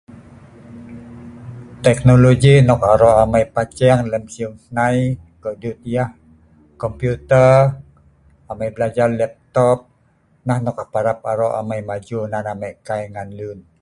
teknologi nok aro' amai paceng lem siew hnai, kodeut yah, komputer, amai blajar laptop nah nok an parap aro' amai maju nan amai kai ngan lun